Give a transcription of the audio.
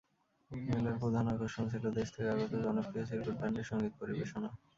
মেলার প্রধান আকর্ষণ ছিল দেশ থেকে আগত জনপ্রিয় চিরকুট ব্যান্ডের সংগীত পরিবেশনা।